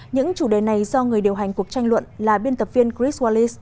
những chủ đề này do người điều hành cuộc tranh luận là biên tập viên chris wallerce